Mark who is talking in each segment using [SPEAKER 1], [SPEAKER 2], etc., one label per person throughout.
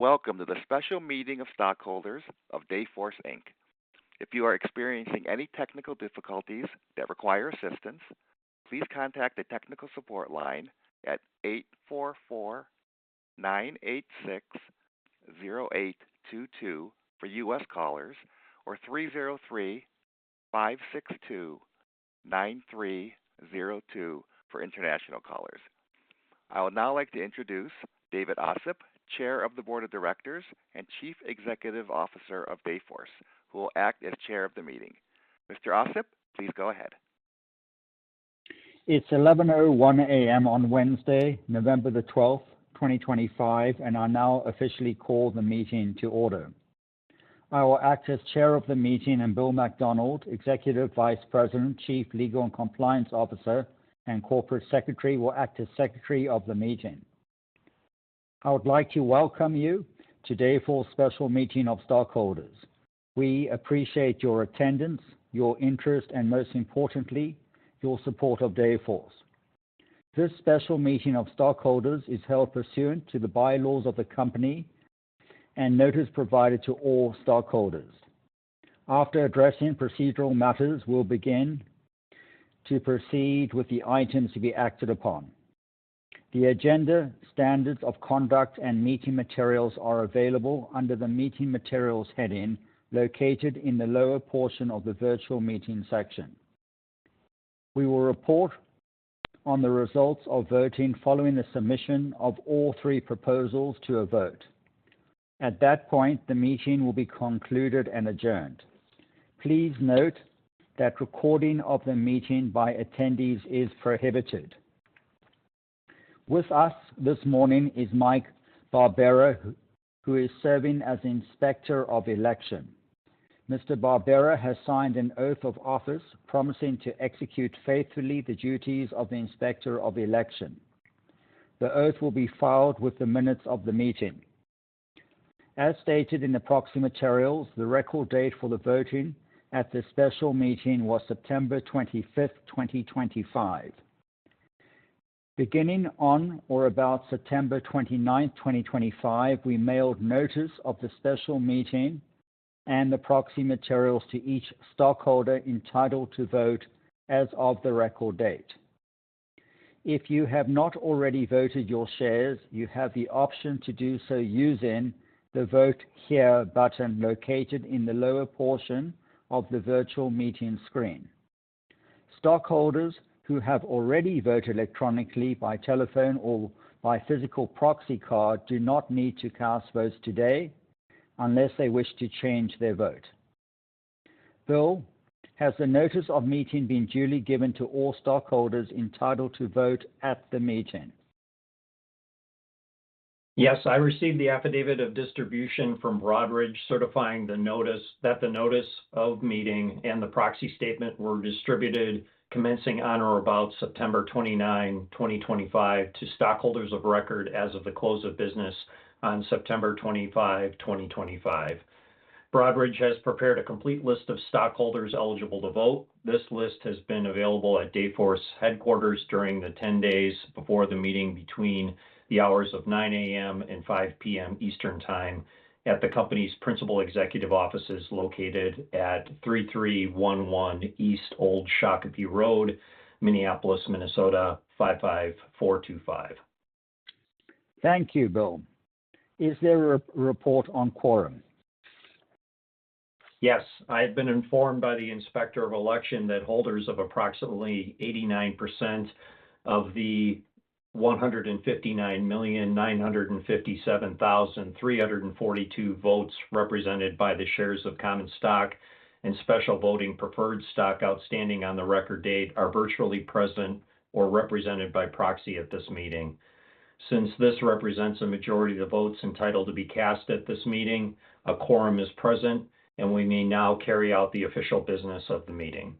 [SPEAKER 1] Welcome to the special meeting of stockholders of Dayforce. If you are experiencing any technical difficulties that require assistance, please contact the technical support line at 844-986-0822 for U.S. callers or 303-562-9302 for international callers. I would now like to introduce David Ossip, Chair of the Board of Directors and Chief Executive Officer of Dayforce, who will act as Chair of the meeting. Mr. Ossip, please go ahead.
[SPEAKER 2] It's 11:01 A.M. on Wednesday, November the 12th, 2025, and I now officially call the meeting to order. I will act as Chair of the meeting and Bill McDonald, Executive Vice President, Chief Legal and Compliance Officer, and Corporate Secretary will act as Secretary of the meeting. I would like to welcome you to Dayforce Special Meeting of Stockholders. We appreciate your attendance, your interest, and most importantly, your support of Dayforce. This special meeting of stockholders is held pursuant to the bylaws of the company and notice provided to all stockholders. After addressing procedural matters, we'll begin to proceed with the items to be acted upon. The agenda, standards of conduct, and meeting materials are available under the Meeting Materials heading located in the lower portion of the Virtual Meeting section. We will report on the results of voting following the submission of all three proposals to a vote. At that point, the meeting will be concluded and adjourned. Please note that recording of the meeting by attendees is prohibited. With us this morning is Mike Barbera, who is serving as Inspector of Election. Mr. Barbera has signed an oath of office promising to execute faithfully the duties of the Inspector of Election. The oath will be filed with the minutes of the meeting. As stated in the proxy materials, the record date for the voting at the special meeting was September 25, 2025. Beginning on or about September 29, 2025, we mailed notice of the special meeting and the proxy materials to each stockholder entitled to vote as of the record date. If you have not already voted your shares, you have the option to do so using the Vote Here button located in the lower portion of the Virtual Meeting screen. Stockholders who have already voted electronically by telephone or by physical proxy card do not need to cast votes today unless they wish to change their vote. Bill, has the notice of meeting been duly given to all stockholders entitled to vote at the meeting?
[SPEAKER 3] Yes, I received the affidavit of distribution from Broadridge certifying that the notice of meeting and the proxy statement were distributed commencing on or about September 29, 2025, to stockholders of record as of the close of business on September 25, 2025. Broadridge has prepared a complete list of stockholders eligible to vote. This list has been available at Dayforce headquarters during the 10 days before the meeting between the hours of 9:00 A.M. and 5:00 P.M. Eastern Time at the company's principal executive offices located at 3311 East Old Shakopee Road, Minneapolis, Minnesota 55425.
[SPEAKER 4] Thank you, Bill. Is there a report on quorum?
[SPEAKER 3] Yes, I have been informed by the Inspector of Election that holders of approximately 89% of the 159,957,342 votes represented by the shares of common stock and special voting preferred stock outstanding on the record date are virtually present or represented by proxy at this meeting. Since this represents a majority of the votes entitled to be cast at this meeting, a quorum is present, and we may now carry out the official business of the meeting.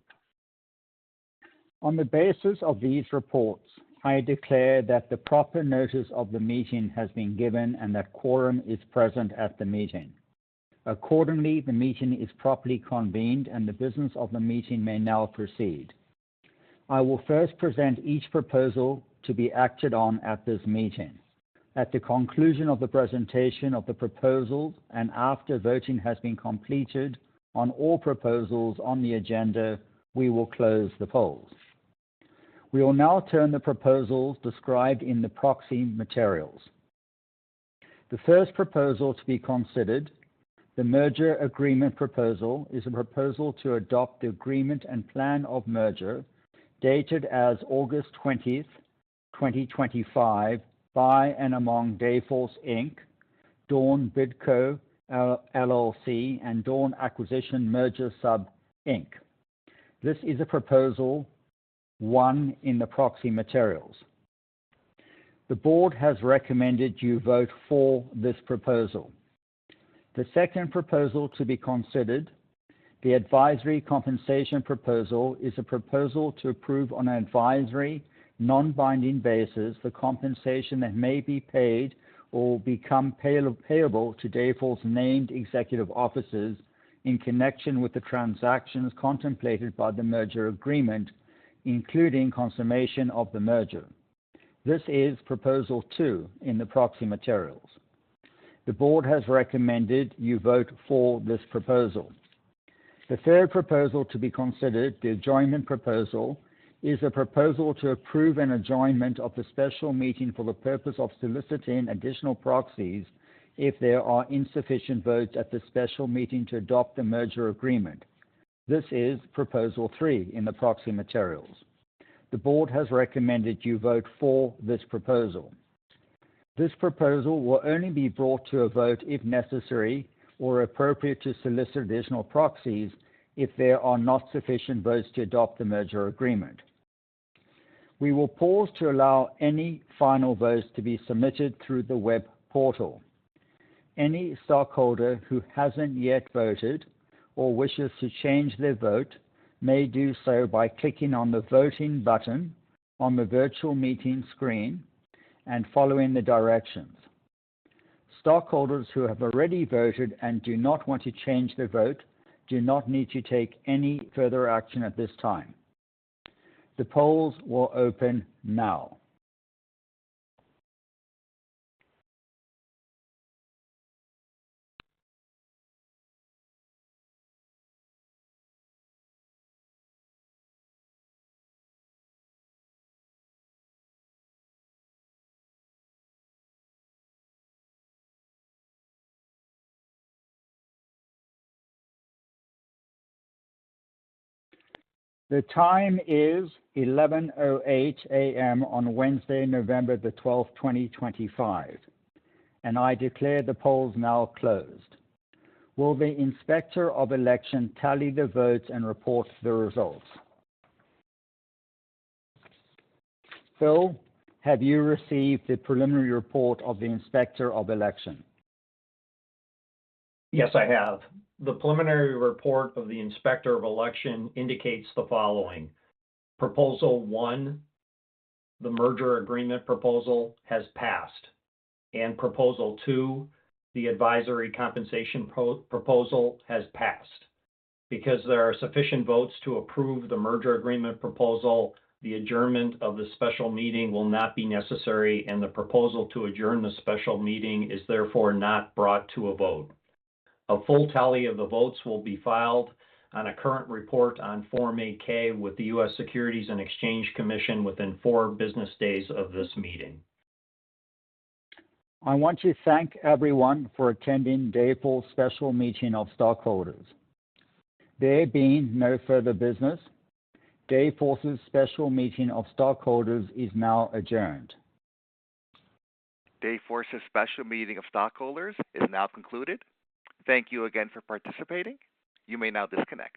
[SPEAKER 4] On the basis of these reports, I declare that the proper notice of the meeting has been given and that quorum is present at the meeting. Accordingly, the meeting is properly convened and the business of the meeting may now proceed. I will first present each proposal to be acted on at this meeting. At the conclusion of the presentation of the proposals and after voting has been completed on all proposals on the agenda, we will close the polls. We will now turn to the proposals described in the proxy materials. The first proposal to be considered, the merger agreement proposal, is a proposal to adopt the agreement and plan of merger dated as of August 20, 2025, by and among Dayforce Inc., Dawn Bidco LLC, and Dawn Acquisition Merger Sub Inc. This is proposal one in the proxy materials. The board has recommended you vote for this proposal. The second proposal to be considered, the advisory compensation proposal, is a proposal to approve on an advisory non-binding basis the compensation that may be paid or become payable to Dayforce named executive officers in connection with the transactions contemplated by the merger agreement, including consummation of the merger. This is proposal two in the proxy materials. The board has recommended you vote for this proposal. The third proposal to be considered, the adjournment proposal, is a proposal to approve an adjournment of the special meeting for the purpose of soliciting additional proxies if there are insufficient votes at the special meeting to adopt the merger agreement. This is proposal three in the proxy materials. The board has recommended you vote for this proposal. This proposal will only be brought to a vote if necessary or appropriate to solicit additional proxies if there are not sufficient votes to adopt the merger agreement. We will pause to allow any final votes to be submitted through the web portal. Any stockholder who hasn't yet voted or wishes to change their vote may do so by clicking on the voting button on the virtual meeting screen and following the directions. Stockholders who have already voted and do not want to change their vote do not need to take any further action at this time. The polls will open now. The time is 11:08 A.M. on Wednesday, November 12, 2025, and I declare the polls now closed. Will the Inspector of Election tally the votes and report the results? Bill, have you received the preliminary report of the Inspector of Election?
[SPEAKER 3] Yes, I have. The preliminary report of the Inspector of Election indicates the following: Proposal one, the merger agreement proposal has passed, and Proposal two, the advisory compensation proposal has passed. Because there are sufficient votes to approve the merger agreement proposal, the adjournment of the special meeting will not be necessary, and the proposal to adjourn the special meeting is therefore not brought to a vote. A full tally of the votes will be filed on a current report on Form 8-K with the U.S. Securities and Exchange Commission within four business days of this meeting.
[SPEAKER 4] I want to thank everyone for attending Dayforce Special Meeting of Stockholders. There being no further business, Dayforce's Special Meeting of Stockholders is now adjourned.
[SPEAKER 1] Dayforce's Special Meeting of Stockholders is now concluded. Thank you again for participating. You may now disconnect.